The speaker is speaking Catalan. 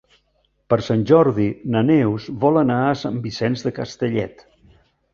Per Sant Jordi na Neus vol anar a Sant Vicenç de Castellet.